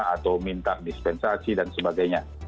atau minta dispensasi dan sebagainya